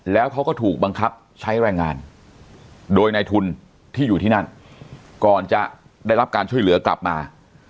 แล้วเขาก็ถูกบังคับใช้แรงงานโดยในทุนที่อยู่ที่นั่นก่อนจะได้รับการช่วยเหลือกลับมา